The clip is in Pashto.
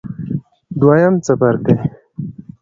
دویم څپرکی